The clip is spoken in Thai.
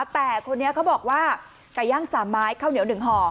แต่คนนี้เขาบอกว่าไก่ย่าง๓ไม้ข้าวเหนียว๑ห่อ